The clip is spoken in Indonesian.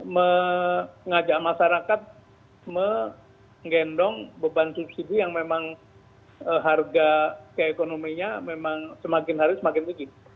mengajak masyarakat menggendong beban subsidi yang memang harga keekonominya memang semakin hari semakin tinggi